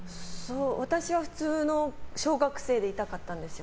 私は普通の小学生でいたかったんですよ。